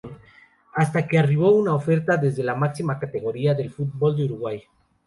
Hasta que arribó una oferta desde la máxima categoría del fútbol de Uruguay.